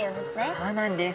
そうなんです。